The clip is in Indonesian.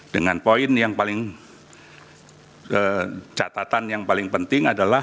dengan poin yang paling catatan yang paling penting adalah